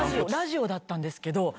ラジオだったんですけど。